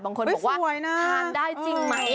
บางคนบอกว่าทานได้จริงไหม